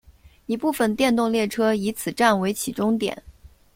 一部分电动列车以此站为起终点。